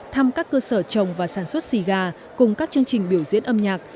thăm các cơ sở trồng và sản xuất siga cùng các chương trình biểu diễn âm nhạc